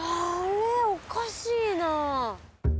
おかしいな。